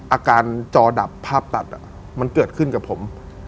อากาศจอดับภาพตัดมันเกิดขึ้นกับผม